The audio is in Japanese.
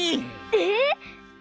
えっ！？